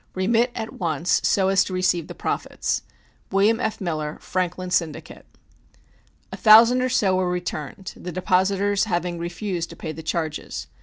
Remit at once so as to receive the profits. WILLIAM F. MILLER, Franklin Syndicate. A thousand or so were returned, the depositors having refused to pay the charges.